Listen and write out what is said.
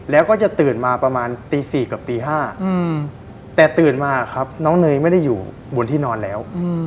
แล้วก็จะตื่นมาประมาณตี๔กับตี๕แต่ตื่นมาครับน้องเนยไม่ได้อยู่บนที่นอนแล้ว